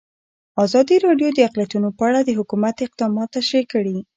ازادي راډیو د اقلیتونه په اړه د حکومت اقدامات تشریح کړي.